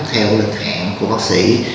theo lịch hạn của bác sĩ